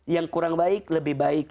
yang kurang baik lebih baik